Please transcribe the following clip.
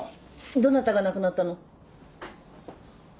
どなたが亡くなったの？